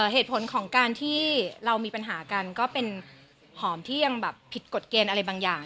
เหตุผลของการที่เรามีปัญหากันก็เป็นหอมที่ยังแบบผิดกฎเกณฑ์อะไรบางอย่าง